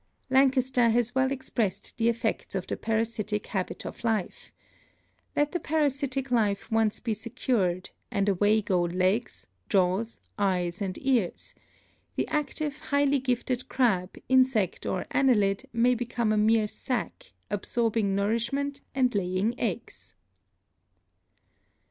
Lankester has well expressed the effects of the parasitic habit of life: "Let the parasitic life once be secured and away go legs, jaws, eyes and ears; the active, highly gifted crab, insect or annelid may become a mere sac, absorbing nourishment and laying eggs."